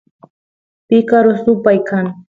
picaru supay kan